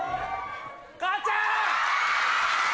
・母ちゃん。